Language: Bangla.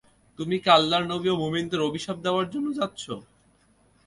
তুমি কি আল্লাহর নবী ও মুমিনদের অভিশাপ দেওয়ার জন্য যাচ্ছ?